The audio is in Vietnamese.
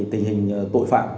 tình hình tội phạm